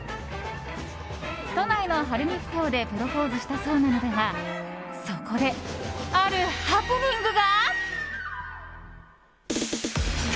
都内の晴海ふ頭でプロポーズしたそうなのだがそこで、あるハプニングが。